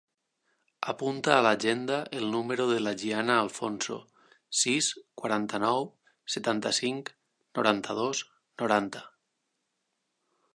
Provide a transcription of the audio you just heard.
Apunta a l'agenda el número de la Gianna Alfonso: sis, quaranta-nou, setanta-cinc, noranta-dos, noranta.